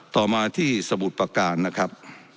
ต่อมาที่สมุทรประการนะครับ